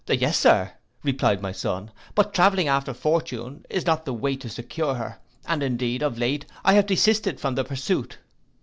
'—'Yes, Sir,' replied my son, 'but travelling after fortune, is not the way to secure her; and, indeed, of late, I have desisted from the pursuit.